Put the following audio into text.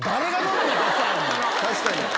確かに。